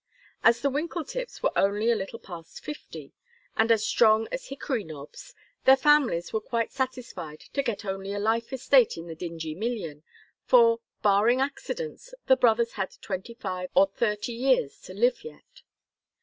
As the Winkletips were only a little past fifty, and as strong as hickory knobs, their families were quite satisfied to get only a life estate in the Dingee million, for, barring accidents, the brothers had twenty five or thirty years to live yet.